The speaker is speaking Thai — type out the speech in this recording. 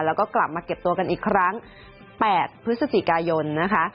แล้วก็กลับมาเก็บตัวกันอีกครั้ง๘พฤศจิกายนนะคะ